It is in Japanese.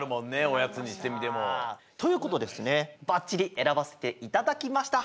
おやつにしてみても。ということでですねばっちり選ばせていただきました。